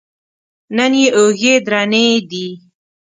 نن یې اوږې درنې دي.